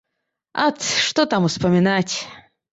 Ат, што там успамінаць!